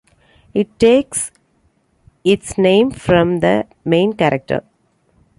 It takes its name from the main character.